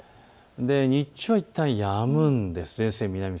日中はいったんやむんです。